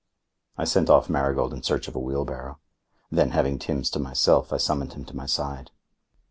I sent off Marigold in search of a wheelbarrow. Then, having Timbs to myself, I summoned him to my side.